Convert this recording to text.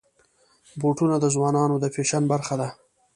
بوټونه د ځوانانو د فیشن برخه ده.